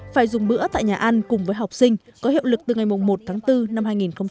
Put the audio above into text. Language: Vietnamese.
phải dùng bữa tại nhà ăn cùng với học sinh có hiệu lực từ ngày một tháng bốn năm hai nghìn hai mươi